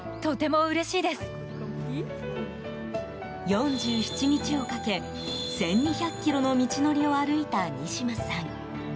４７日をかけ、１２００ｋｍの道のりを歩いたニシマさん。